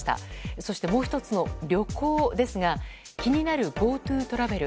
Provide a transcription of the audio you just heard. そしてもう１つの旅行ですが気になるＧｏＴｏトラベル